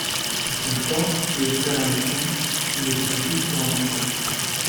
Est-il fort?... dit Esther à Lucien, ils le prennent tous pour un Anglais!...